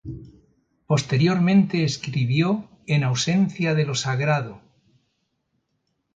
Posteriormente, escribió "En ausencia de lo sagrado.